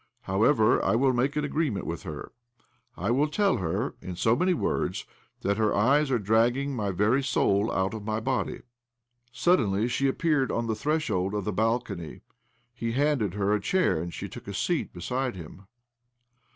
However, I will make an agreement with her. I will tell her, in so many words. OBLOMOV 167, that her eyes are dragging my very soul out of my body." Suddenly she appeared on the threshold of the balcony. He handed her a chair, and she took a seat beside him.